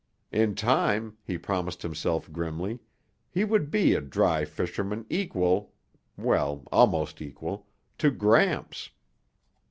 In time, he promised himself grimly, he would be a dry fisherman equal well, almost equal to Gramps.